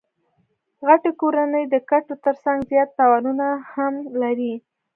غټي کورنۍ د ګټو ترڅنګ زیات تاوانونه هم لري.